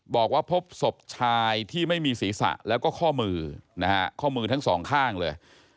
บอกว่าพบศพชายที่ไม่มีศีรษะแล้วก็ข้อมือนะฮะข้อมือทั้งสองข้างเลย